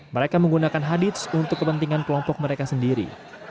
mereka menggunakan hadits untuk kepentingan kelompok mereka sendiri